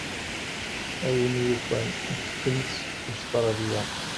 A win yufan ad teddumt seg Ustṛalya.